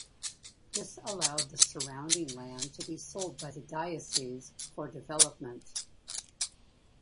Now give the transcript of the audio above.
This allowed the surrounding land to be sold by the Diocese for development.